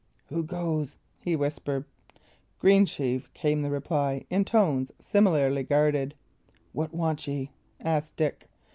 "Who goes?" he whispered. "Greensheve," came the reply, in tones similarly guarded. "What want ye?" asked Dick.